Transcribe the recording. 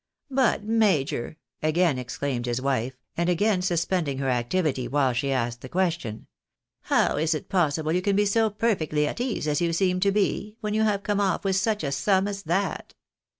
"But, major," again exclaimed his wife, and again suspending Ler activity while she asked the question, " how is it possible you can be so perfectly at ease as you seem to be, when you have come off with such a sum as that